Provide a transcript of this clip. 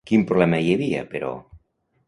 Quin problema hi havia, però?